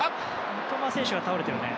三笘選手が倒れているね。